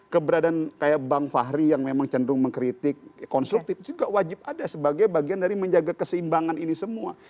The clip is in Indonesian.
keberadaan kayak bang fahri yang memang cenderung mengkritik konstruktif juga wajib ada sebagai bagian dari menjaga keseimbangan ini semua